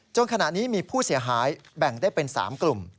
ขณะนี้มีผู้เสียหายแบ่งได้เป็น๓กลุ่ม